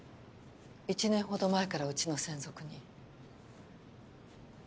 １年ほど前からうちの専属に。